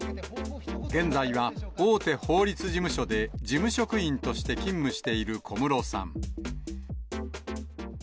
現在は、大手法律事務所で事務職員として勤務している小室さん。